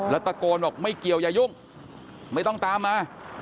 แล้วตะโกนบอกไม่เกี่ยวอย่ายุ่งไม่ต้องตามมา